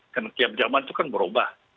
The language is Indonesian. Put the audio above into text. karena tiap zaman itu kan berubah